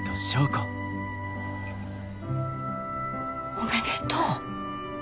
おめでとう。